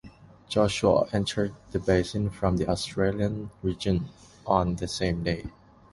Joshua entered the basin from the Australian Region on the same day.